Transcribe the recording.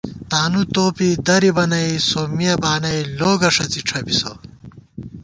تانُوتوپی درِبہ نئ سومِیہ بانَئ لوگہ ݭَڅی ڄھبِسہ